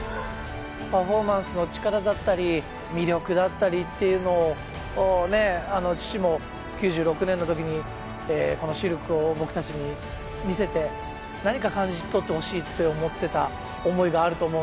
パフォーマンスの力だったり魅力だったりというのを父も９６年のときにこのシルクを僕たちに見せて何か感じ取ってほしいと思ってた思いがあると思うので。